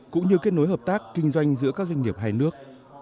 cũng như kết nối hợp tác kinh doanh giữa các doanh nghiệp hai nước